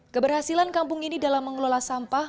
keberhasilan kampung ini dalam mengelola sampah